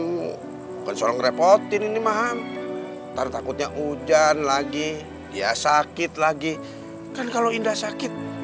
kamu kan soalnya ngerepotin ini maham takutnya hujan lagi ya sakit lagi kan kalau indah sakit